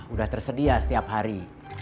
udah tersedia setiap hari